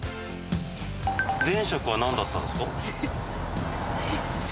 前職はなんだったんですか？